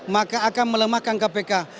maka akan melemahkan kpk